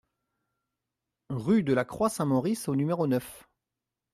Rue de la Croix Saint-Maurice au numéro neuf